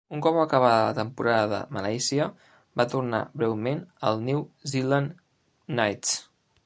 Un cop acabada la temporada de Malàisia, va tornar breument al New Zealand Knights.